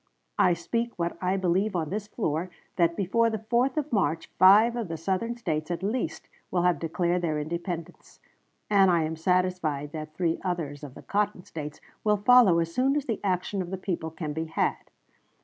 I speak what I believe on this floor, that before the 4th of March five of the Southern States at least will have declared their independence; and I am satisfied that three others of the Cotton States will follow as soon as the action of the people can be had.